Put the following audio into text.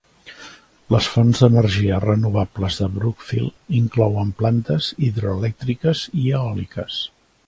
Les fonts d'energies renovables de Brookfield inclouen plantes hidroelèctriques i eòliques.